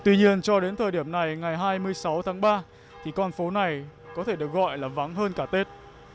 tuy nhiên cho đến thời điểm này ngày hai mươi sáu tháng ba thì con phố này có thể được gọi là vắng hơn cả tết